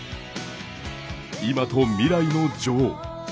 今と未来の女王。